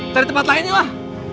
cari tempat lain aja lah